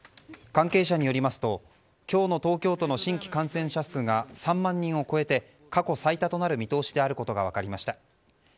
関係者によりますと今日の東京都の新規感染者数が３万人を超えて過去最多となる見通しであることが分かりました。